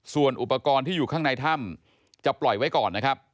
ส่วนอุปกรณ์ที่อยู่ข้างในถ้ำจะปล่อยไว้ก่อนนะครับ